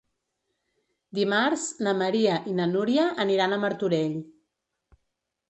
Dimarts na Maria i na Núria aniran a Martorell.